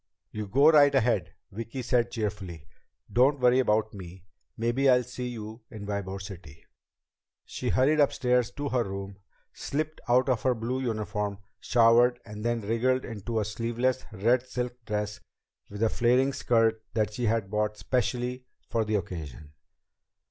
"You go right ahead," Vicki said cheerfully. "Don't worry about me. Maybe I'll see you in Ybor City." She hurried upstairs to her room, slipped out of her blue uniform, showered, and then wriggled into a sleeveless, red silk dress with a flaring skirt that she had bought especially for the occasion.